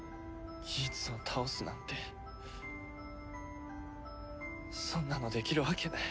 ギーツを倒すなんてそんなのできるわけない。